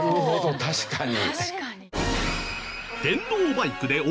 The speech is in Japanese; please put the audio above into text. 確かに。